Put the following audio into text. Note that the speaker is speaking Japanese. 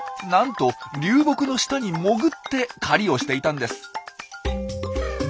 なんと流木の下に潜って狩りをしていたんです。